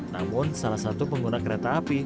namun salah satu pengguna kereta api